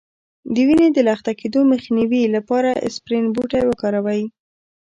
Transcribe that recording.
د وینې د لخته کیدو مخنیوي لپاره اسپرین بوټی وکاروئ